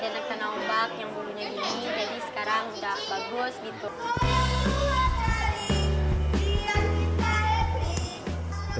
jadi sekarang udah bagus gitu